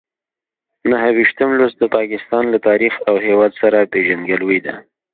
نهه ویشتم لوست د پاکستان له تاریخ او هېواد سره پېژندګلوي ده.